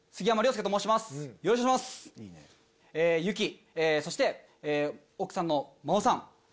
ユキそして奥さんのマオさん